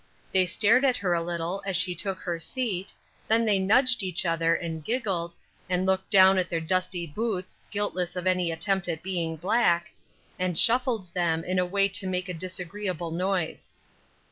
They stared at her a little as she took her seat, then they nudged each other, and giggled, and looked down at their dusty boots, guiltless of any attempt at being black, and shuffled them in a way to make a disagreeable noise.